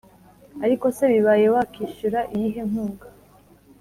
ariko se bibaye wakishyura iyihe nkunga